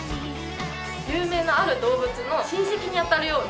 有名なある動物の親戚にあたるような。